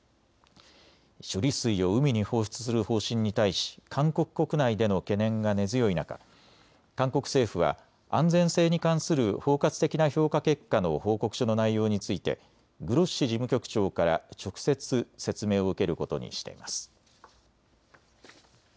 処理水を海に放出する方針に対し韓国国内での懸念が根強い中、韓国政府は安全性に関する包括的な評価結果の報告書の内容についてグロッシ事務局長から直接説明を受けることにしています。